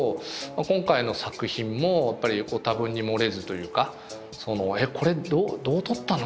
今回の作品もやっぱり多分に漏れずというかこれどう撮ったの？